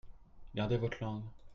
Gardez votre langue.